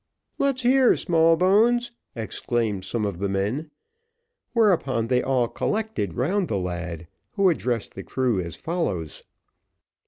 "Let's hear Smallbones, let's hear Smallbones!" exclaimed some of the men. Whereupon they all collected round the lad, who addressed the crew as follows.